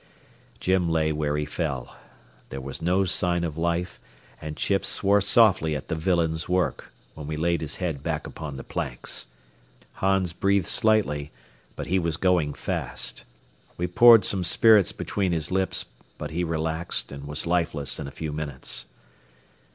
Jim lay where he fell. There was no sign of life, and Chips swore softly at the villain's work, when we laid his head back upon the planks. Hans breathed slightly, but he was going fast. We poured some spirits between his lips, but he relaxed, and was lifeless in a few minutes.